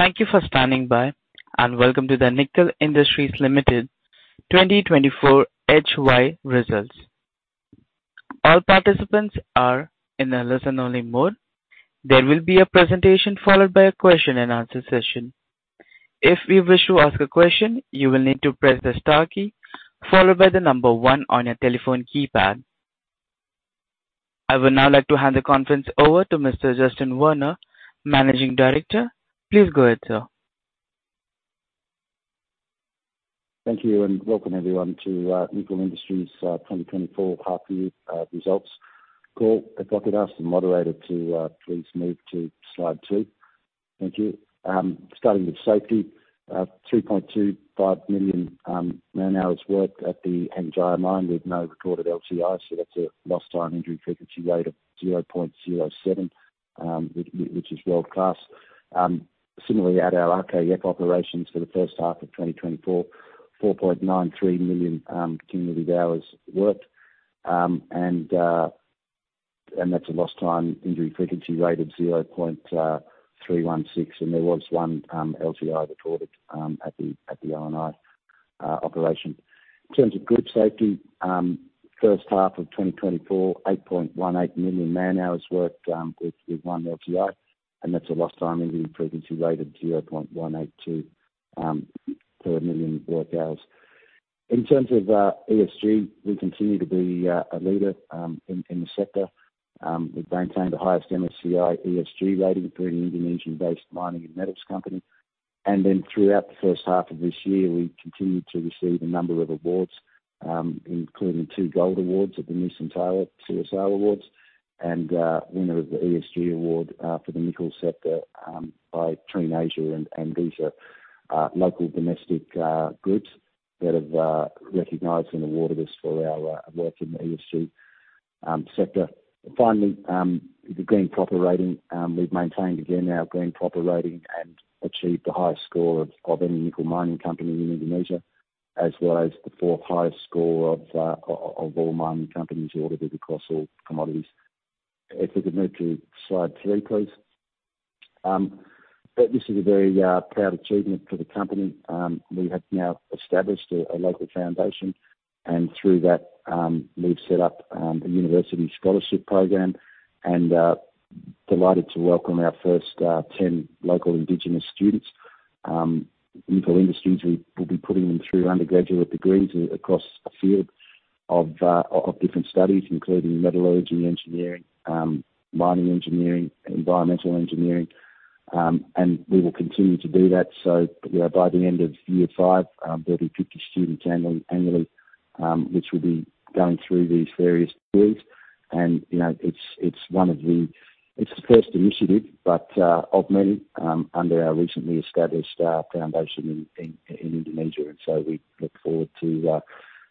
Thank you for standing by, and welcome to the Nickel Industries Limited 2024 HY results. All participants are in a listen-only mode. There will be a presentation followed by a question and answer session. If you wish to ask a question, you will need to press the star key followed by the number one on your telephone keypad. I would now like to hand the conference over to Mr. Justin Werner, Managing Director. Please go ahead, sir. Thank you, and welcome everyone to Nickel Industries 2024 half-year results call. I'd like to ask the moderator to please move to slide two. Thank you. Starting with safety, 3.25 million man hours worked at the Hengjaya Mine with no recorded LTI, so that's a lost time injury frequency rate of 0.07, which is world-class. Similarly, at our RKEF operations for the first half of 2024, 4.93 million cumulative hours worked, and that's a lost time injury frequency rate of 0.316, and there was one LTI recorded at the RNI operation. In terms of group safety, first half of 2024, 8.18 million man hours worked, with one LTI, and that's a lost time injury frequency rate of 0.182 per million worked hours. In terms of ESG, we continue to be a leader in the sector. We've maintained the highest MSCI ESG rating for an Indonesian-based mining and metals company. Then throughout the first half of this year, we continued to receive a number of awards, including two Gold awards at the Nusantara CSR Awards and winner of the ESG award for the nickel sector by TrenAsia and Visa local domestic groups that have recognized and awarded us for our work in the ESG sector. Finally, the Green PROPER Rating, we've maintained again our Green PROPER Rating and achieved the highest score of any nickel mining company in Indonesia, as well as the fourth highest score of all mining companies audited across all commodities. If we could move to slide three, please, but this is a very proud achievement for the company. We have now established a local foundation, and through that, we've set up a university scholarship program and delighted to welcome our first ten local indigenous students. Nickel Industries, we will be putting them through undergraduate degrees across a field of different studies, including metallurgy, engineering, mining engineering, environmental engineering, and we will continue to do that. So, you know, by the end of year five, there'll be 50 students annually, which will be going through these various degrees. And, you know, it's one of the, it's the first initiative, but of many, under our recently established foundation in Indonesia. And so we look forward to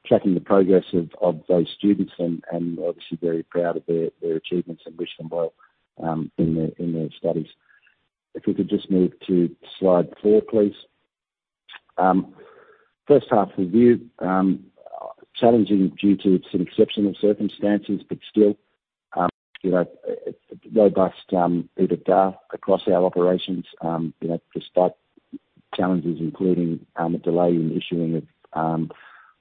tracking the progress of those students and obviously very proud of their achievements and wish them well in their studies. If we could just move to slide 4, please. First half of the year, challenging due to some exceptional circumstances, but still, you know, a robust EBITDA across our operations, you know, despite challenges, including a delay in issuing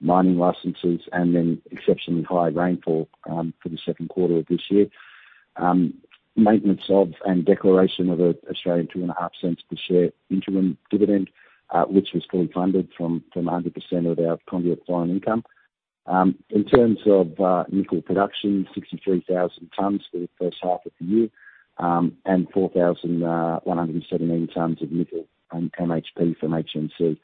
of mining licenses and then exceptionally high rainfall for the second quarter of this year. Maintenance of and declaration of an Australian 0.025 per share interim dividend, which was fully funded from 100% of our conduit foreign income. In terms of nickel production, 63,000 tons for the first half of the year, and 4,117 tons of nickel and MHP from HNC.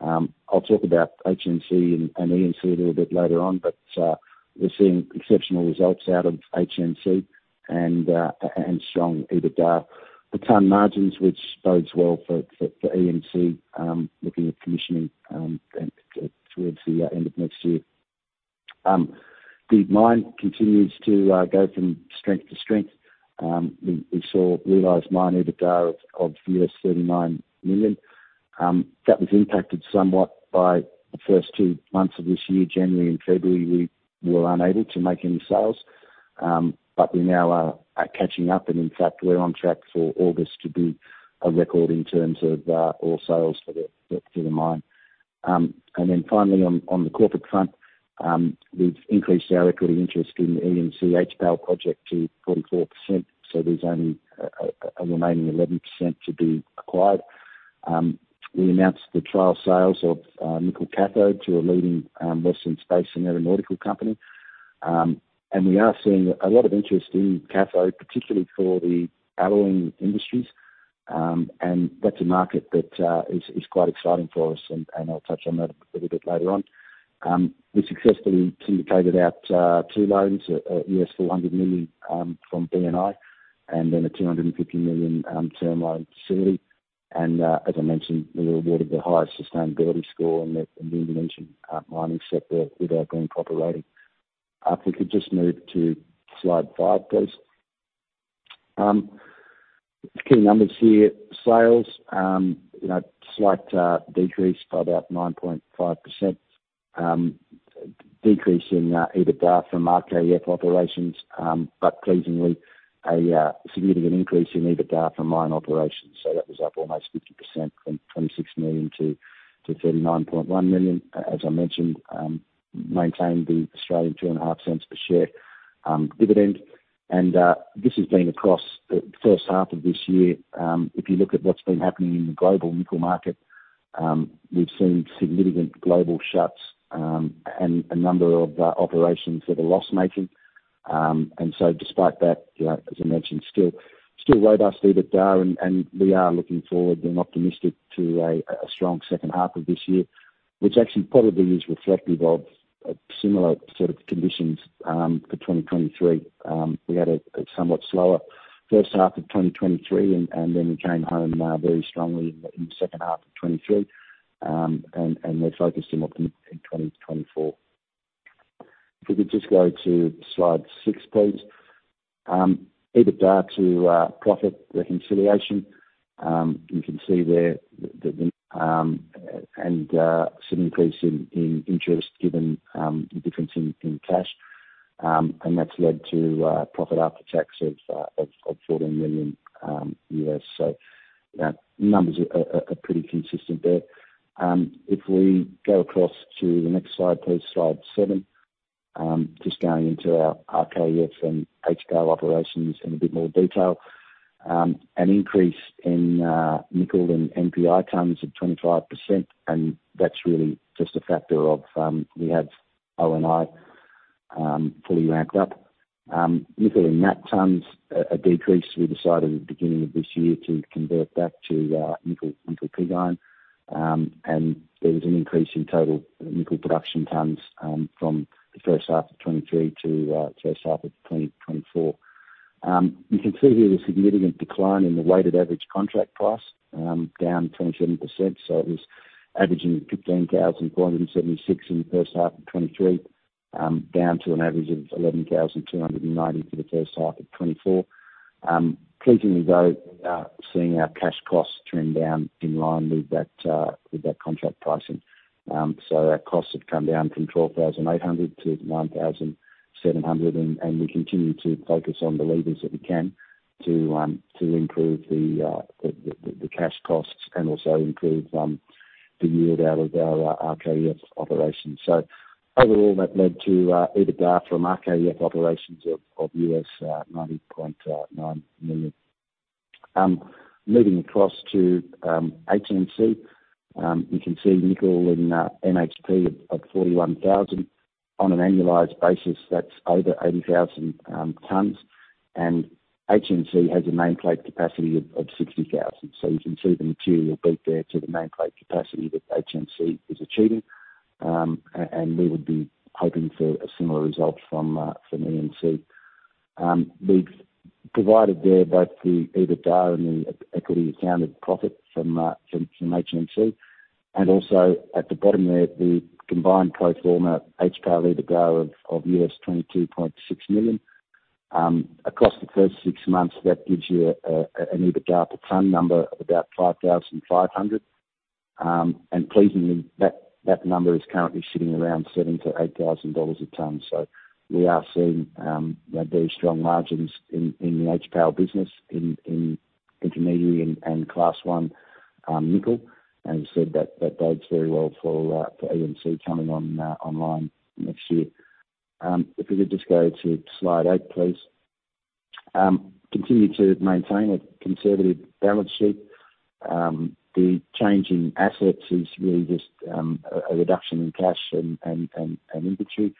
I'll talk about HNC and EMC a little bit later on, but we're seeing exceptional results out of HNC and strong EBITDA. The ton margins, which bodes well for EMC, looking at commissioning and towards the end of next year. The mine continues to go from strength to strength. We saw realized mine EBITDA of $39 million. That was impacted somewhat by the first two months of this year. January and February, we were unable to make any sales, but we now are catching up, and in fact, we're on track for August to be a record in terms of all sales for the mine. And then finally on the corporate front, we've increased our equity interest in the EMC HPAL project to 44%, so there's only a remaining 11% to be acquired. We announced the trial sales of nickel cathode to a leading Western space and aeronautical company. And we are seeing a lot of interest in cathode, particularly for the alloying industries, and that's a market that is quite exciting for us, and I'll touch on that a little bit later on. We successfully syndicated out two loans, $400 million from BNI, and then a $250 million term loan facility. And, as I mentioned, we were awarded the highest sustainability score in the Indonesian mining sector with our Green PROPER rating. If we could just move to slide five, please. Key numbers here. Sales, you know, slight decrease by about 9.5% decrease in EBITDA from RKEF operations, but pleasingly, a significant increase in EBITDA from mine operations. So that was up almost 50% from $26 million to $39.1 million. As I mentioned, maintained the Australian two and a half cents per share dividend. And, this has been across the first half of this year. If you look at what's been happening in the global nickel market, we've seen significant global shuts, and a number of operations that are loss making. And so despite that, as I mentioned, still robust EBITDA, and we are looking forward and optimistic to a strong second half of this year, which actually probably is reflective of similar sort of conditions for 2023. We had a somewhat slower first half of 2023, and then we came home very strongly in the second half of 2023. And we're focused and optimistic in 2024. If we could just go to slide six, please. EBITDA to profit reconciliation, you can see there that the and some increase in interest given the difference in cash. And that's led to profit after tax of $14 million. So numbers are pretty consistent there. If we go across to the next slide, please, slide seven. Just going into our RKEF and HPAL operations in a bit more detail. An increase in nickel and NPI tons of 25%, and that's really just a factor of we have ONI fully ramped up. Nickel in matte tons, a decrease. We decided at the beginning of this year to convert back to nickel pig iron. And there was an increase in total nickel production tons from the first half of 2023 to first half of 2024. You can see here a significant decline in the weighted average contract price down 27%. So it was averaging $15,476 in the first half of 2023, down to an average of $11,290 for the first half of 2024. Pleasingly, though, seeing our cash costs trend down in line with that, with that contract pricing. So our costs have come down from $12,800-$9,700, and we continue to focus on the levers that we can to improve the cash costs and also improve the yield out of our RKEF operations. So overall, that led to EBITDA from RKEF operations of $90.9 million. Moving across to HNC, you can see nickel in MHP of $41,000. On an annualized basis, that's over 80,000 tons, and HNC has a nameplate capacity of 60,000. So you can see the materially beat there to the nameplate capacity that HNC is achieving. And we would be hoping for a similar result from EMC. We've provided there both the EBITDA and the equity accounted profit from HNC, and also at the bottom there, the combined pro forma HPAL EBITDA of $22.6 million. Across the first six months, that gives you an EBITDA per ton number of about $5,500. And pleasingly, that number is currently sitting around $7,000-$8,000 a ton. We are seeing very strong margins in the HPAL business, in intermediary and Class 1 nickel, and as I said, that bodes very well for EMC coming on online next year. If we could just go to slide 8, please. Continue to maintain a conservative balance sheet. The change in assets is really just a reduction in cash and inventory.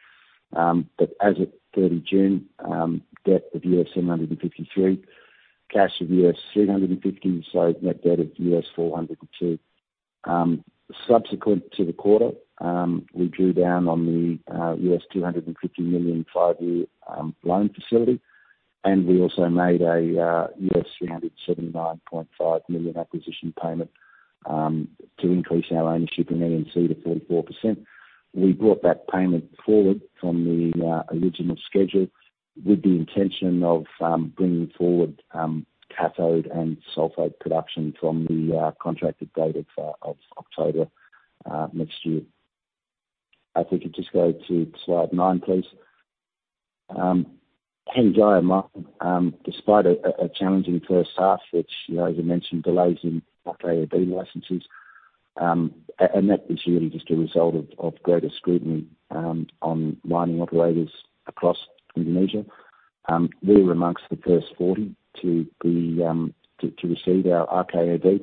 But as of 30 June, debt of $753, cash of $350, so net debt of $402. Subsequent to the quarter, we drew down on the $250 million, five-year loan facility, and we also made a $379.5 million acquisition payment to increase our ownership in EMC to 44%. We brought that payment forward from the original schedule with the intention of bringing forward cathode and sulfate production from the contracted date of October next year. If we could just go to slide 9, please. Hengjaya Mine, despite a challenging first half, which, you know, as I mentioned, delays in RKAB licenses, and that is really just a result of greater scrutiny on mining operators across Indonesia. We were among the first 40 to be, to receive our RKAB,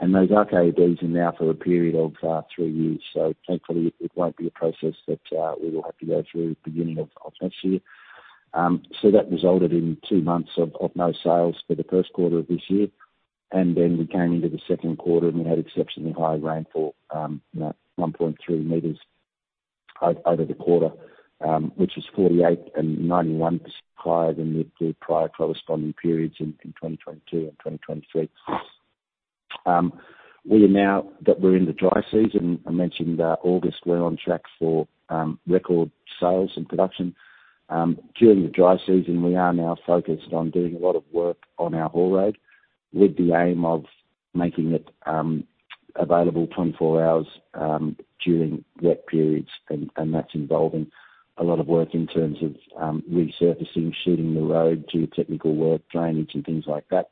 and those RKABs are now for a period of three years. So thankfully, it won't be a process that we will have to go through at the beginning of next year. So that resulted in two months of no sales for the first quarter of this year, and then we came into the second quarter, and we had exceptionally high rainfall, you know, 1.3 meters over the quarter, which is 48 and 91% higher than the prior corresponding periods in 2022 and 2023. Now that we're in the dry season, I mentioned August, we're on track for record sales and production. During the dry season, we are now focused on doing a lot of work on our haul road with the aim of making it available twenty-four hours during wet periods, and that's involving a lot of work in terms of resurfacing, shooting the road, geotechnical work, drainage, and things like that.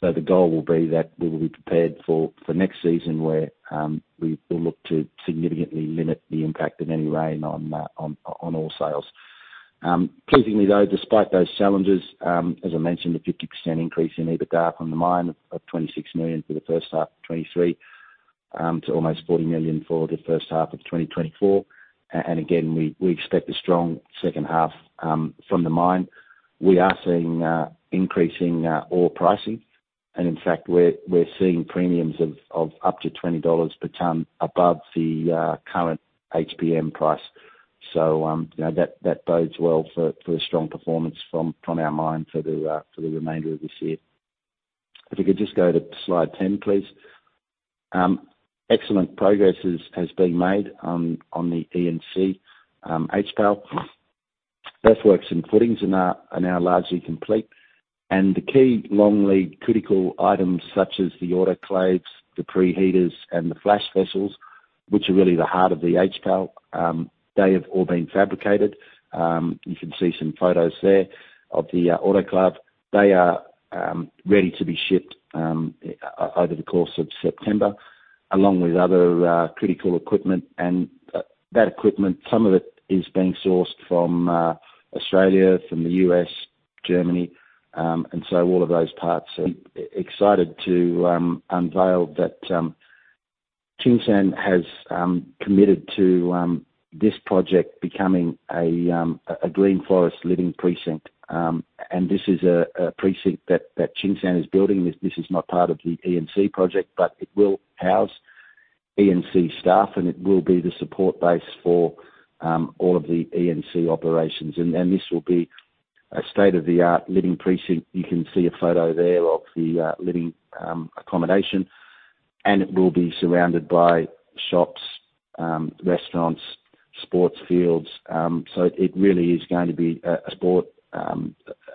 So the goal will be that we will be prepared for next season, where we will look to significantly limit the impact of any rain on all sales. Pleasingly, though, despite those challenges, as I mentioned, a 50% increase in EBITDA from the mine of $26 million for the first half of 2023 to almost $40 million for the first half of 2024. And again, we expect a strong second half from the mine. We are seeing increasing ore pricing, and in fact, we're seeing premiums of up to $20 per ton above the current HPM price. So, you know, that bodes well for a strong performance from our mine for the remainder of this year. If you could just go to slide 10, please. Excellent progress has been made on the E&C HPAL. Earthworks and footings are now largely complete, and the key long lead critical items, such as the autoclaves, the preheaters, and the flash vessels, which are really the heart of the HPAL, they have all been fabricated. You can see some photos there of the autoclave. They are ready to be shipped over the course of September, along with other critical equipment. That equipment, some of it is being sourced from Australia, from the U.S., Germany, and so all of those parts. Excited to unveil that Tsingshan has committed to this project becoming a green forest living precinct. This is a precinct that Tsingshan is building. This is not part of the E&C project, but it will house E&C staff, and it will be the support base for all of the E&C operations. This will be a state-of-the-art living precinct. You can see a photo there of the living accommodation, and it will be surrounded by shops, restaurants, sports fields. So it really is going to be a sort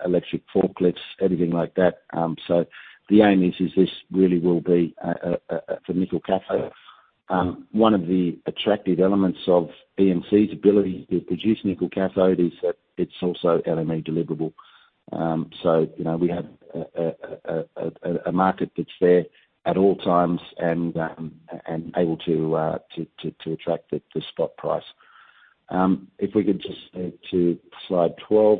electric forklifts, anything like that. So the aim is this really will be a for nickel cathode. One of the attractive elements of E&C's ability to produce nickel cathode is that it's also LME deliverable. So, you know, we have a market that's there at all times and able to attract the spot price. If we could just to slide 12.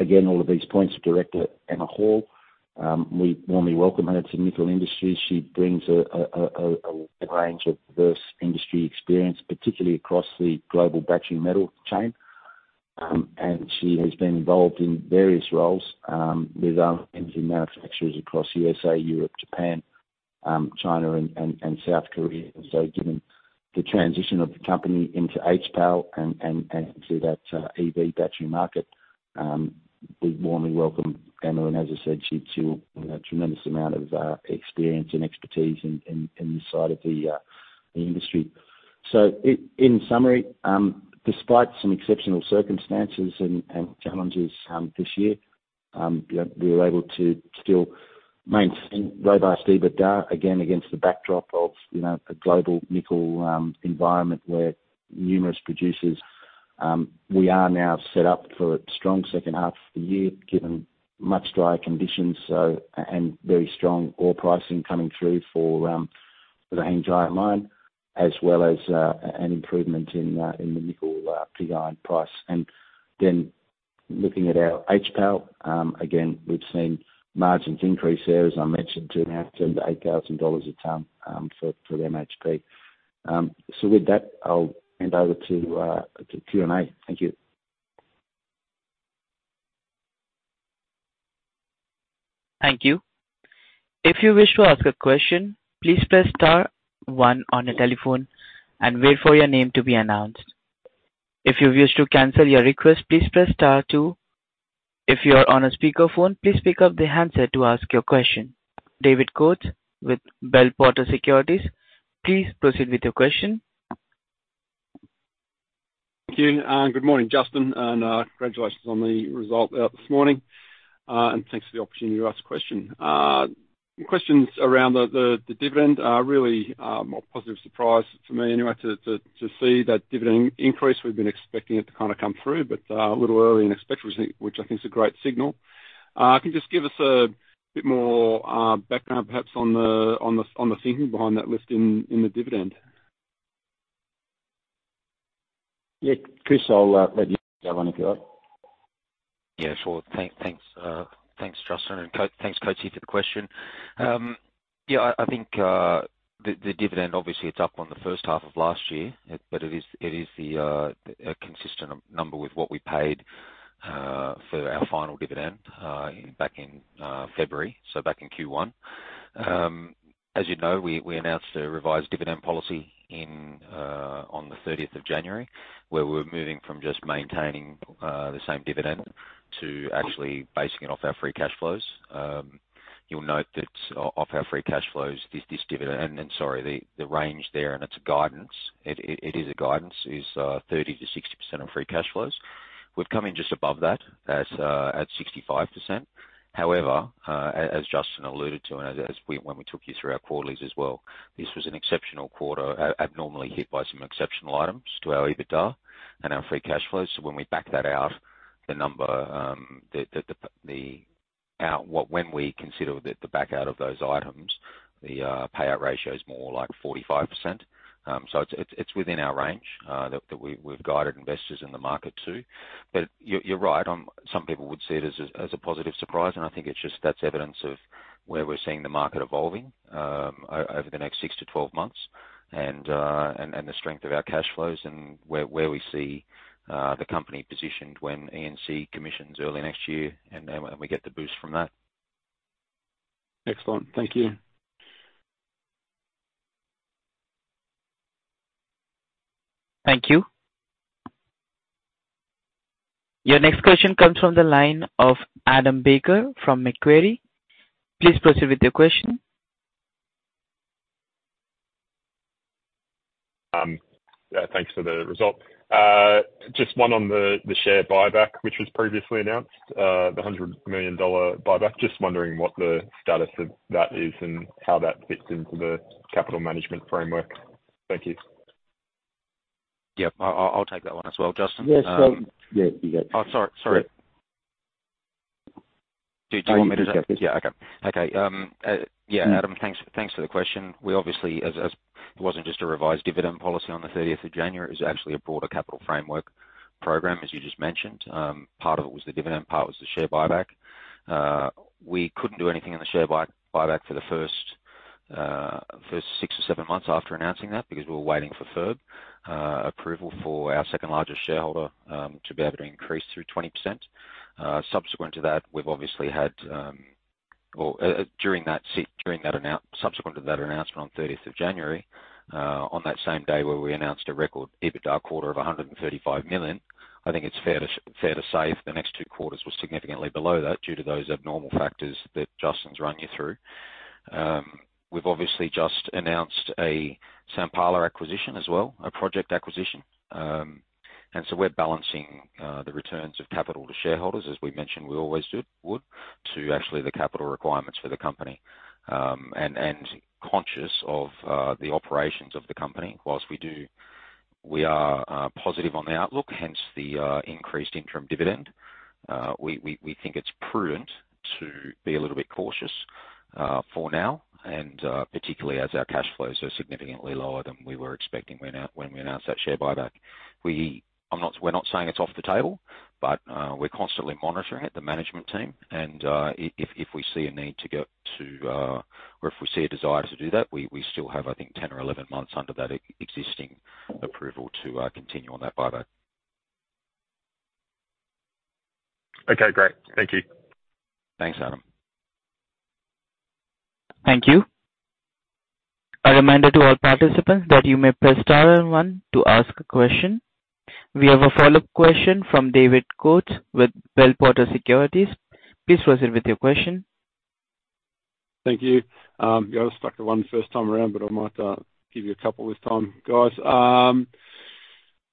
Again, all of these points are directed at Emma Hall. We warmly welcome her to Nickel Industries. She brings a wide range of diverse industry experience, particularly across the global battery metal chain. And she has been involved in various roles with other energy manufacturers across USA, Europe, Japan, China, and South Korea. Given the transition of the company into HPAL and to that EV battery market, we warmly welcome Emma, and as I said, she's a tremendous amount of experience and expertise in this side of the industry. In summary, despite some exceptional circumstances and challenges this year, you know, we were able to still maintain robust EBITDA, again, against the backdrop of, you know, a global nickel environment where numerous producers. We are now set up for a strong second half of the year, given much drier conditions, so and very strong ore pricing coming through for the Hengjaya Mine, as well as an improvement in the nickel pig iron price. And then looking at our HPAL, again, we've seen margins increase there, as I mentioned, $2,500-$8,000 a ton for the MHP. So with that, I'll hand over to Q&A. Thank you. Thank you. If you wish to ask a question, please press star one on your telephone and wait for your name to be announced. If you wish to cancel your request, please press star two. If you are on a speakerphone, please pick up the handset to ask your question. David Coates with Bell Potter Securities, please proceed with your question. Thank you, and good morning, Justin, and congratulations on the result out this morning, and thanks for the opportunity to ask a question. Questions around the dividend are really more positive surprise for me, anyway, to see that dividend increase. We've been expecting it to kind of come through, but a little earlier than expected, which I think is a great signal. Can you just give us a bit more background, perhaps, on the thinking behind that lift in the dividend? Yeah, Chris, I'll let you have one, if you like. Yeah, sure. Thanks, Justin, and thanks, David, for the question. Yeah, I think the dividend, obviously, it's up on the first half of last year, but it is a consistent number with what we paid for our final dividend back in February, so back in Q1. As you know, we announced a revised dividend policy on the thirtieth of January, where we're moving from just maintaining the same dividend to actually basing it off our free cash flows. You'll note that off our free cash flows, this dividend and sorry, the range there, and it's guidance, it is guidance, is 30%-60% of free cash flows. We've come in just above that, as at 65%. However, as Justin alluded to, and as we, when we took you through our quarterlies as well, this was an exceptional quarter, abnormally hit by some exceptional items to our EBITDA and our free cash flows. So when we back that out, the number, when we consider the back out of those items, the payout ratio is more like 45%. So it's, it's within our range, that we've guided investors in the market to. But you're right on. Some people would see it as a positive surprise, and I think it's just that's evidence of where we're seeing the market evolving over the next six to 12 months, and the strength of our cash flows, and where we see the company positioned when ENC commissions early next year, and then when we get the boost from that. Excellent. Thank you. Thank you. Your next question comes from the line of Adam Baker from Macquarie. Please proceed with your question. Yeah, thanks for the result. Just one on the share buyback, which was previously announced, the $100 million buyback. Just wondering what the status of that is and how that fits into the capital management framework? Thank you. Yeah. I'll take that one as well, Justin. Yes, sure. Yeah, you got it. Oh, sorry. Sorry. Yeah. Do you want me to take it? I got this. Yeah. Okay. Yeah, Adam, thanks for the question. We obviously, as it wasn't just a revised dividend policy on the thirtieth of January, it was actually a broader capital framework program, as you just mentioned. Part of it was the dividend, part was the share buyback. We couldn't do anything in the share buyback for the first six or seven months after announcing that, because we were waiting for FIRB approval for our second largest shareholder to be able to increase through 20%. Subsequent to that, we've obviously had, or, during that subsequent to that announcement on thirtieth of January, on that same day, where we announced a record EBITDA quarter of $135 million, I think it's fair to say the next two quarters were significantly below that, due to those abnormal factors that Justin's run you through. We've obviously just announced a Sampala acquisition as well, a project acquisition. And so we're balancing the returns of capital to shareholders, as we mentioned we always would, to the actual capital requirements for the company. And conscious of the operations of the company. While we do, we are positive on the outlook, hence the increased interim dividend, we think it's prudent to be a little bit cautious for now, and particularly as our cash flows are significantly lower than we were expecting when we announced that share buyback. We're not saying it's off the table, but we're constantly monitoring it, the management team, and if we see a need to get to, or if we see a desire to do that, we still have, I think, 10 or 11 months under that existing approval to continue on that buyback. Okay, great. Thank you. Thanks, Adam. Thank you. A reminder to all participants that you may press star on one to ask a question. We have a follow-up question from David Coates with Bell Potter Securities. Please proceed with your question. Thank you. Yeah, I was stuck at one first time around, but I might give you a couple this time, guys.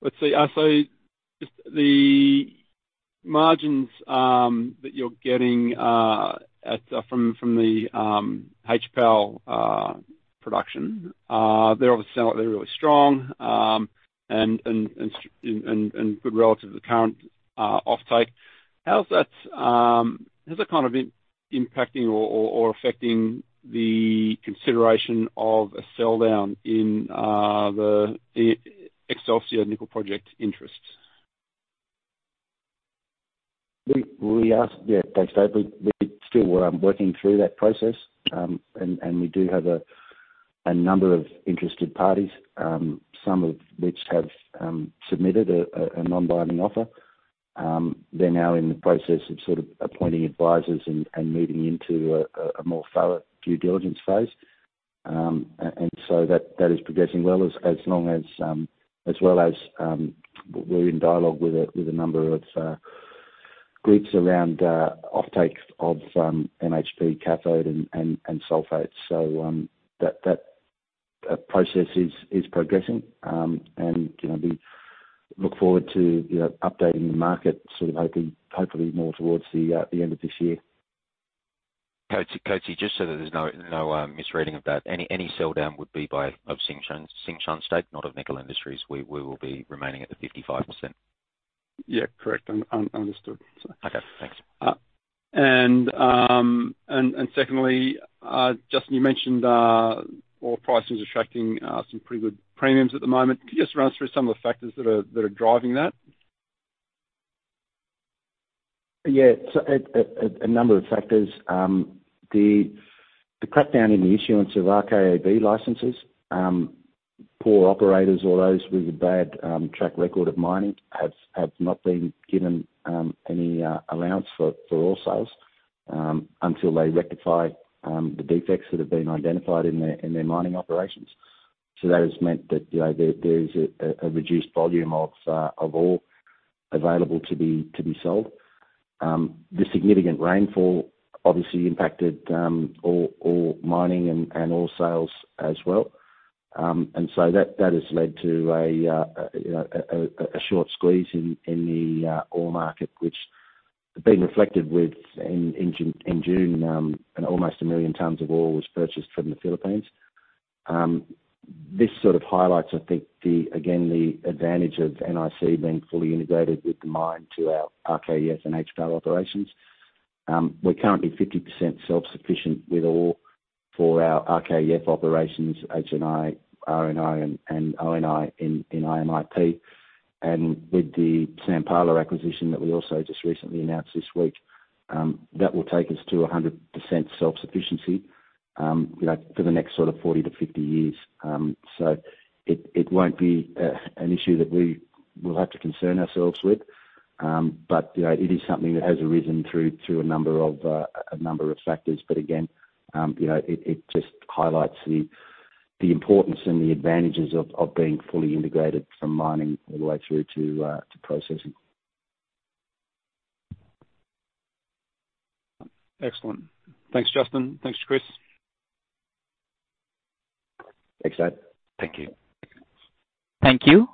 Let's see. So just the margins that you're getting from the HPAL production they obviously sound like they're really strong and good relative to the current offtake. How's that kind of impacting or affecting the consideration of a sell down in the Excelsior Nickel Project interests? We are. Yeah, thanks, David. We still were working through that process, and we do have a number of interested parties, some of which have submitted a non-binding offer. They're now in the process of sort of appointing advisors and moving into a more thorough due diligence phase. And so that is progressing well, as well as we're in dialogue with a number of groups around offtake of MHP, cathode, and sulfate. So, that process is progressing. And, you know, we look forward to, you know, updating the market sort of hoping, hopefully more towards the end of this year. So, just so that there's no misreading of that, any sell down would be by Tsingshan of Tsingshan stake, not of Nickel Industries. We will be remaining at the 55%. Yeah, correct. Understood, so. Okay, thanks. Secondly, Justin, you mentioned ore prices attracting some pretty good premiums at the moment. Can you just run us through some of the factors that are driving that? Yeah. So a number of factors. The crackdown in the issuance of RKAB licenses, poor operators or those with a bad track record of mining, have not been given any allowance for ore sales until they rectify the defects that have been identified in their mining operations. So that has meant that, you know, there is a reduced volume of ore available to be sold. The significant rainfall obviously impacted ore mining and ore sales as well. And so that has led to a short squeeze in the ore market, which has been reflected within June, and almost a million tons of ore was purchased from the Philippines. This sort of highlights, I think, again, the advantage of NIC being fully integrated with the mine to our RKEF and HPAL operations. We're currently 50% self-sufficient with ore for our RKEF operations, HNI, RNI, and ONI in IMIP, and with the Sampala acquisition that we also just recently announced this week, that will take us to 100% self-sufficiency, you know, for the next sort of 40-50 years. So it won't be an issue that we will have to concern ourselves with, but you know, it is something that has arisen through a number of factors. But again, you know, it just highlights the importance and the advantages of being fully integrated from mining all the way through to processing. Excellent. Thanks, Justin. Thanks, Chris. Thanks, Dave. Thank you. Thank you.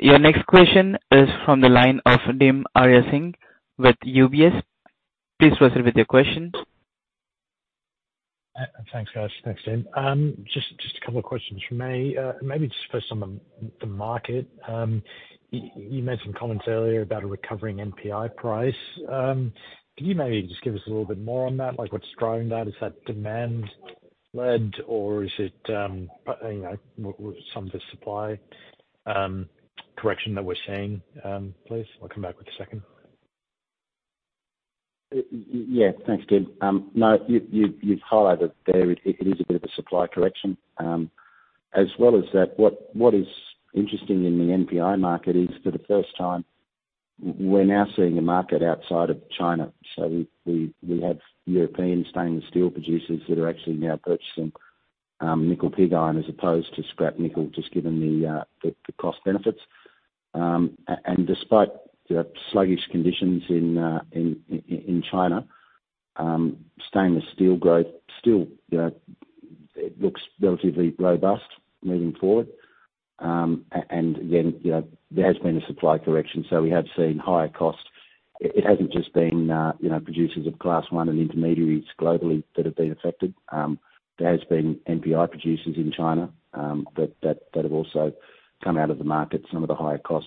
Your next question is from the line of Dimas Arya Singh with UBS. Please go ahead with your question. Thanks, guys. Thanks, Dim. Just a couple of questions from me. Maybe just first on the market. You made some comments earlier about a recovering NPI price. Can you maybe just give us a little bit more on that? Like, what's driving that? Is that demand-led, or is it, you know, some of the supply correction that we're seeing, please? I'll come back with a second. Yeah, thanks, Dim. No, you've highlighted there, it is a bit of a supply correction. As well as that, what is interesting in the NPI market is, for the first time, we're now seeing a market outside of China. So we have European stainless steel producers that are actually now purchasing nickel pig iron as opposed to scrap nickel, just given the cost benefits. And despite the sluggish conditions in China, stainless steel growth still, you know, it looks relatively robust moving forward. And again, you know, there has been a supply correction, so we have seen higher costs. It hasn't just been producers of Class I and intermediaries globally that have been affected. There has been NPI producers in China that have also come out of the market, some of the higher cost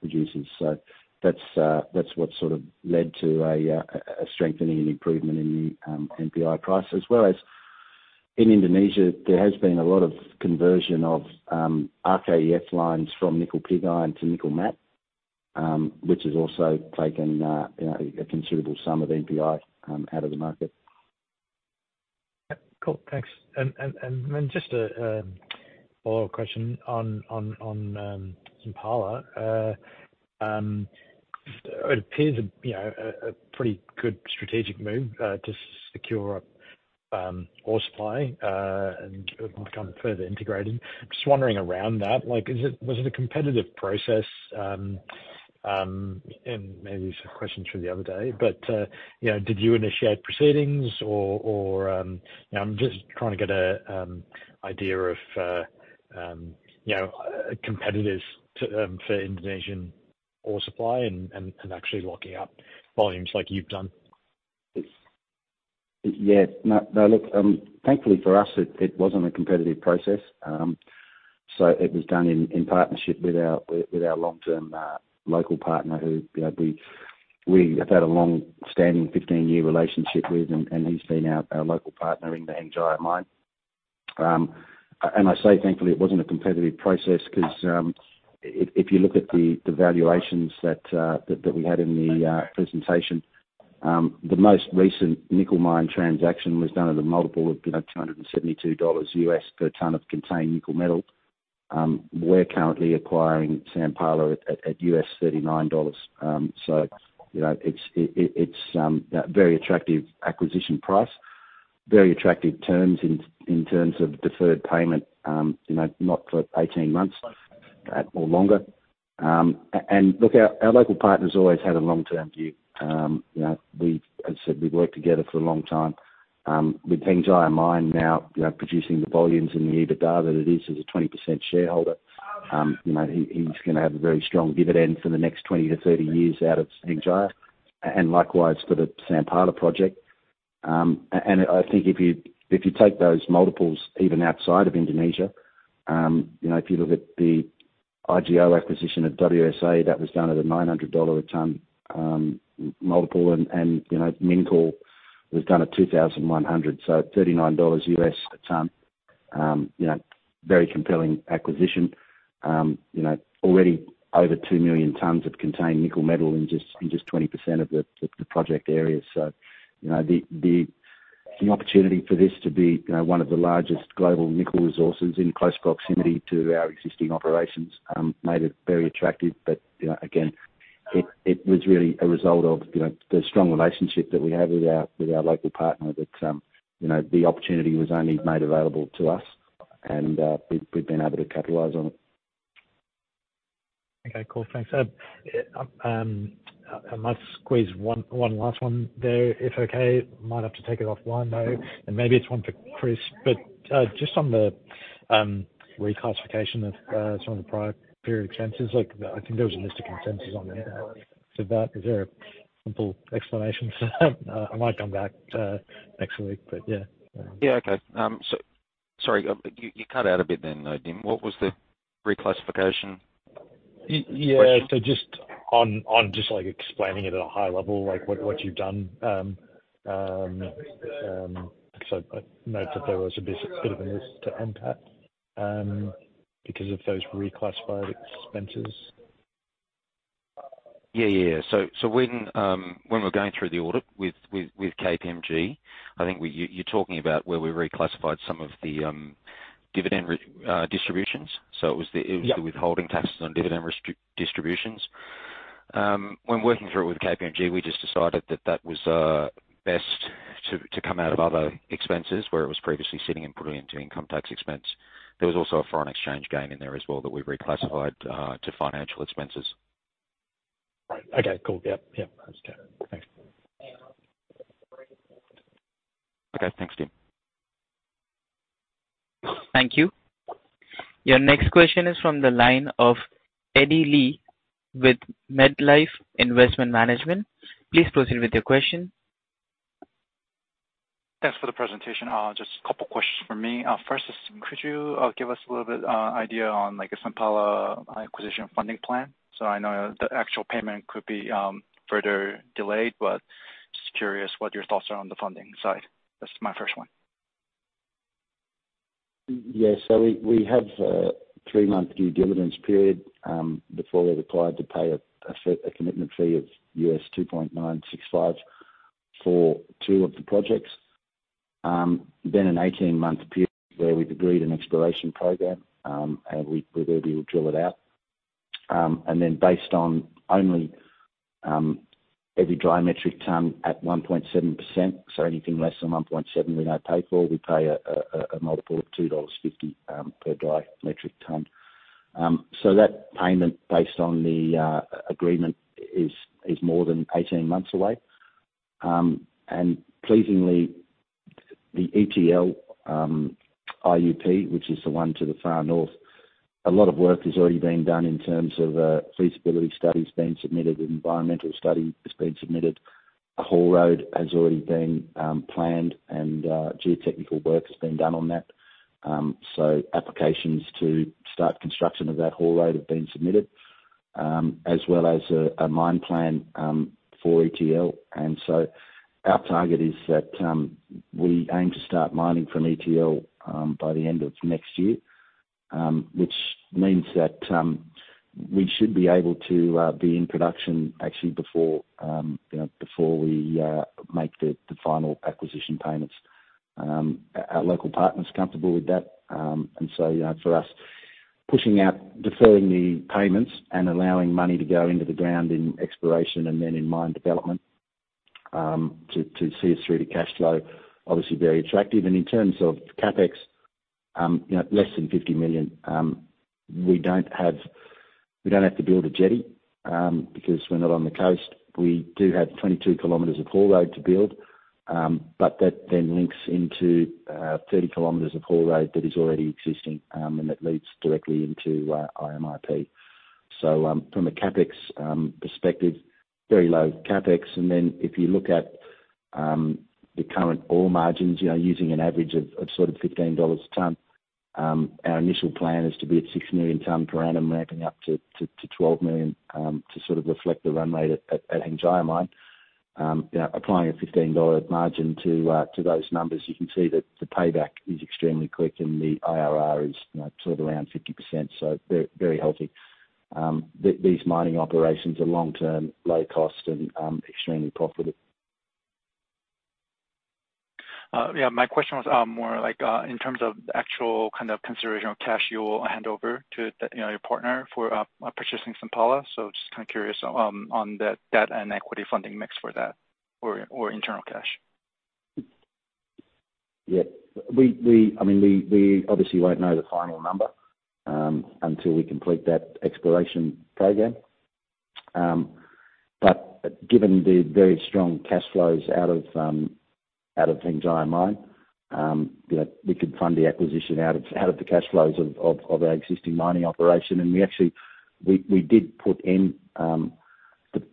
producers. So that's what sort of led to a strengthening and improvement in the NPI price. As well as in Indonesia, there has been a lot of conversion of RKEF lines from nickel pig iron to nickel matte, which has also taken, you know, a considerable sum of NPI out of the market. Yeah. Cool, thanks. And then just a follow-up question on Sampala. It appears, you know, a pretty good strategic move to secure ore supply and become further integrated. Just wondering around that, like, is it? Was it a competitive process? And maybe some questions from the other day, but, you know, did you initiate proceedings or? You know, I'm just trying to get a idea of, you know, competitors to for Indonesian ore supply and actually locking up volumes like you've done. Yeah. No, no, look, thankfully for us, it wasn't a competitive process. So it was done in partnership with our long-term local partner, who, you know, we have had a long-standing fifteen-year relationship with, and he's been our local partner in the Hengjaya Mine. And I say, thankfully, it wasn't a competitive process, 'cause if you look at the valuations that we had in the presentation, the most recent nickel mine transaction was done at a multiple of, you know, $272 per ton of contained nickel metal. We're currently acquiring Sampala at $39. So, you know, it's a very attractive acquisition price, very attractive terms in terms of deferred payment, you know, not for 18 months or longer. And look, our local partners always had a long-term view. You know, we've, as I said, we've worked together for a long time with Hengjaya Mine now producing the volumes in the EBITDA that it is as a 20% shareholder. You know, he's gonna have a very strong dividend for the next 20 to 30 years out of Hengjaya, and likewise for the Sampala project. And I think if you take those multiples, even outside of Indonesia, you know, if you look at the IGO acquisition of WSA, that was done at $900 a ton multiple, and you know, Minco was done at 2,100, so $39 a ton, you know, very compelling acquisition. You know, already over 2 million tons of contained nickel metal in just 20% of the project areas. So, you know, the opportunity for this to be, you know, one of the largest global nickel resources in close proximity to our existing operations, made it very attractive. But, you know, again, it was really a result of, you know, the strong relationship that we have with our local partner that, you know, the opportunity was only made available to us, and we've been able to capitalize on it.... Okay, cool, thanks. I might squeeze one last one there, if okay. Might have to take it offline, though, and maybe it's one for Chris. But just on the reclassification of some of the prior period expenses, like, I think there was a list of consensus on that. So, is there a simple explanation for that? I might come back next week, but yeah. Yeah, okay. So sorry, you cut out a bit then, Dean. What was the reclassification? Y- yeah. Question. So just on just, like, explaining it at a high level, like, what you've done. So I note that there was a bit of a risk to NPAT because of those reclassified expenses. Yeah, yeah. So when we're going through the audit with KPMG, I think we-- you, you're talking about where we reclassified some of the dividend distributions. So it was the- Yep. It was the withholding taxes on dividend distributions. When working through it with KPMG, we just decided that that was best to come out of other expenses where it was previously sitting and put it into income tax expense. There was also a foreign exchange gain in there as well, that we reclassified to financial expenses. Right. Okay, cool. Yep, yep, that's clear. Thanks. Okay. Thanks, Dean. Thank you. Your next question is from the line of Eddie Lee with MetLife Investment Management. Please proceed with your question. Thanks for the presentation. Just a couple questions for me. First is, could you give us a little bit idea on, like, the Sampala acquisition funding plan? So I know the actual payment could be further delayed, but just curious what your thoughts are on the funding side. That's my first one. Yes. So we have a three-month due diligence period before we're required to pay a commitment fee of $2.965 for two of the projects. Then an eighteen-month period where we've agreed an exploration program, and we're going to be able to drill it out. And then based on only every dry metric ton at 1.7%, so anything less than 1.7, we don't pay for. We pay a multiple of $2.50 per dry metric ton. So that payment, based on the agreement, is more than eighteen months away. And pleasingly, the ETL IUP, which is the one to the far north, a lot of work has already been done in terms of feasibility studies being submitted with environmental study. It's been submitted. A haul road has already been planned, and geotechnical work has been done on that, so applications to start construction of that haul road have been submitted, as well as a mine plan for ETL. And so our target is that we aim to start mining from ETL by the end of next year, which means that we should be able to be in production actually before, you know, before we make the final acquisition payments. Our local partner is comfortable with that. And so, you know, for us, pushing out, deferring the payments and allowing money to go into the ground in exploration and then in mine development, to see us through to cash flow, obviously very attractive. And in terms of CapEx, you know, less than $50 million, we don't have to build a jetty, because we're not on the coast. We do have 22 km of haul road to build, but that then links into 30 km of haul road that is already existing, and that leads directly into IMIP. So, from a CapEx perspective, very low CapEx. And then if you look at the current ore margins, you know, using an average of $15 a ton, our initial plan is to be at 6 million ton per annum, ramping up to 12 million, to sort of reflect the run rate at Hengjaya Mine. You know, applying a $15 margin to those numbers, you can see that the payback is extremely quick and the IRR is, you know, sort of around 50%. So very, very healthy. These mining operations are long-term, low cost, and extremely profitable. Yeah, my question was more like in terms of the actual kind of consideration of cash you will hand over to, you know, your partner for purchasing Sampala. So just kind of curious on the debt and equity funding mix for that or internal cash. Yeah, we, I mean, we obviously won't know the final number until we complete that exploration program. But given the very strong cash flows out of Hengjaya Mine, you know, we could fund the acquisition out of the cash flows of our existing mining operation. And we actually, we did put in the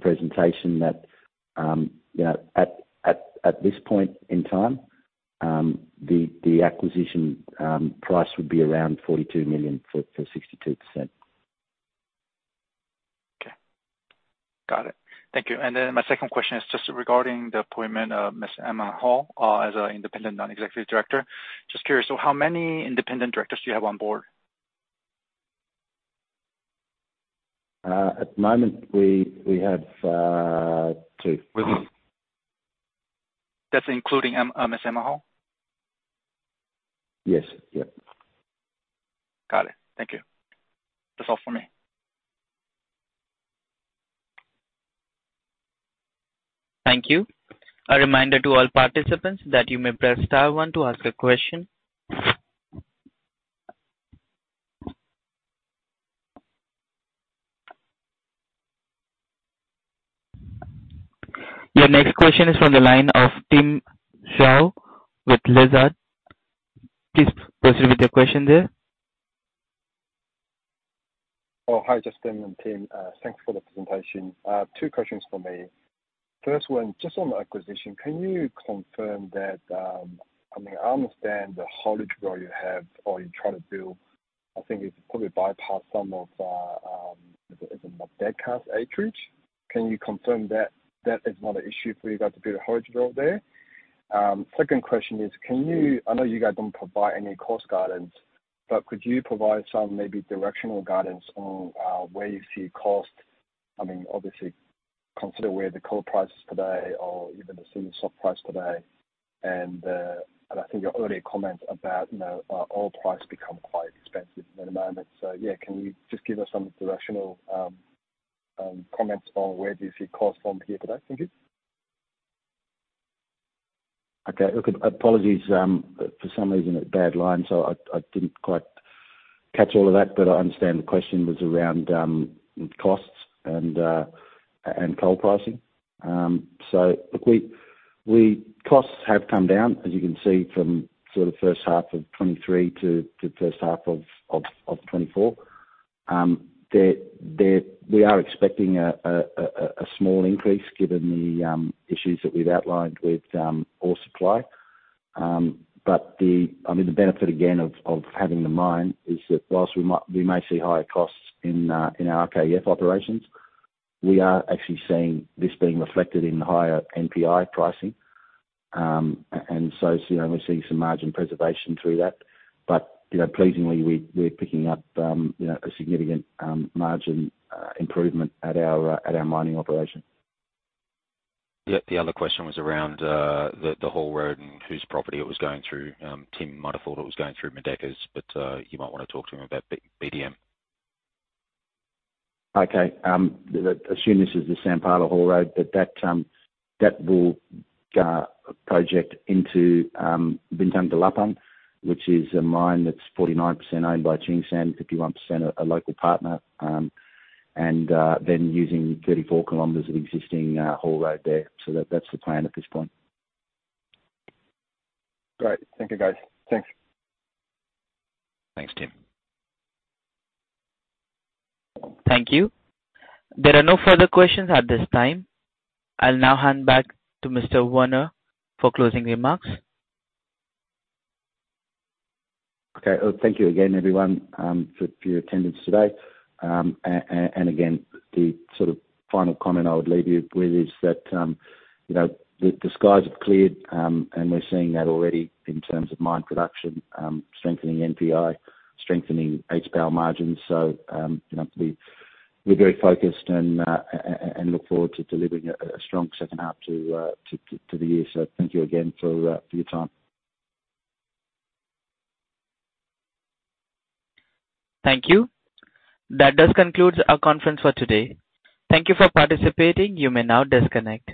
presentation that, you know, at this point in time, the acquisition price would be around $42 million for 62%. Okay. Got it. Thank you. And then my second question is just regarding the appointment of Ms. Emma Hall as an independent non-executive director. Just curious, so how many independent directors do you have on board? At the moment, we have two. That's including Ms. Emma Hall? Yes. Yep. Got it. Thank you. That's all for me. ... Thank you. A reminder to all participants that you may press star one to ask a question. Your next question is from the line of Tim Shaw with Lazard. Please proceed with your question there. Oh, hi, Justin and Tim. Thanks for the presentation. Two questions for me. First one, just on the acquisition, can you confirm that, I mean, I understand the haulage growth you have or you're trying to build. I think it's probably bypassed some of, is it the deckers acreage? Can you confirm that, that is not an issue for you guys to build a haulage road there? Second question is, can you, I know you guys don't provide any cost guidance, but could you provide some maybe directional guidance on, where you see cost? I mean, obviously, consider where the coal price is today or even the single soft price today. And, and I think your earlier comment about, you know, oil price become quite expensive at the moment. So yeah, can you just give us some directional comments on where do you see cost from here today? Thank you. Okay, look, apologies for some reason a bad line, so I didn't quite catch all of that, but I understand the question was around costs and coal pricing. So look, costs have come down, as you can see, from sort of the first half of 2023 to first half of 2024. We are expecting a small increase given the issues that we've outlined with ore supply. But the... I mean, the benefit again of having the mine is that whilst we may see higher costs in our KEF operations, we are actually seeing this being reflected in higher NPI pricing. And so, you know, we're seeing some margin preservation through that. But, you know, pleasingly, we're picking up, you know, a significant margin improvement at our mining operation. Yeah, the other question was around the haul road and whose property it was going through. Tim might have thought it was going through Madecas, but you might want to talk to him about BDM. Okay, assume this is the Sampala haul road, but that will project into Bintang Delapan, which is a mine that's 49% owned by Tsingshan, 51% a local partner, and then using 34 kilometers of existing haul road there. So that's the plan at this point. Great. Thank you, guys. Thanks. Thanks, Tim. Thank you. There are no further questions at this time. I'll now hand back to Mr. Werner for closing remarks. Okay. Well, thank you again, everyone, for your attendance today. And again, the sort of final comment I would leave you with is that, you know, the skies have cleared, and we're seeing that already in terms of mine production, strengthening NPI, strengthening HPAL margins. So, you know, we're very focused and look forward to delivering a strong second half to the year. So thank you again for your time. Thank you. That does conclude our conference for today. Thank you for participating. You may now disconnect.